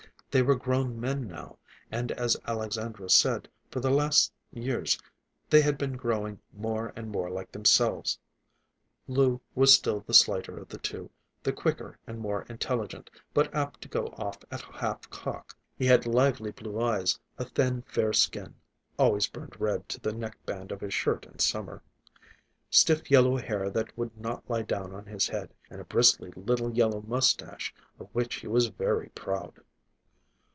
They were grown men now, and, as Alexandra said, for the last few years they had been growing more and more like themselves. Lou was still the slighter of the two, the quicker and more intelligent, but apt to go off at half cock. He had a lively blue eye, a thin, fair skin (always burned red to the neckband of his shirt in summer), stiff, yellow hair that would not lie down on his head, and a bristly little yellow mustache, of which he was very proud.